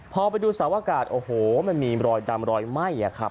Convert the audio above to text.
พอไปดูสาวอากาศโอ้โหมันมีรอยดำรอยไหม้อะครับ